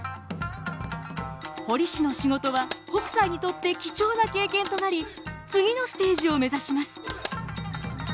彫師の仕事は北斎にとって貴重な経験となり次のステージを目指します。